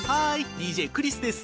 ＤＪクリスです。